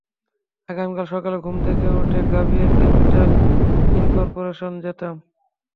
আগামীকাল সকালে ঘুম থেকে উঠে গ্যাব্রিয়েল ক্যাপিটাল ইনকর্পোরেশনে যেতাম।